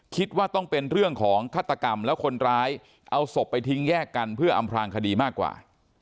คิดว่าต้องเป็นเรื่องของฆาตกรรมแล้วคนร้ายเอาศพไปทิ้งแยกกันเพื่ออำพลางคดีมากกว่า